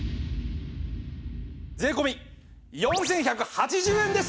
税込４１８０円です！